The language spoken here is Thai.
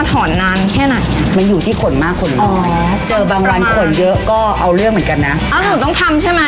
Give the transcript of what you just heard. ถอนขนเป็ด